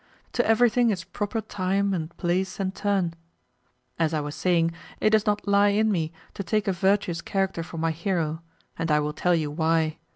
To everything its proper time and place and turn. As I was saying, it does not lie in me to take a virtuous character for my hero: and I will tell you why.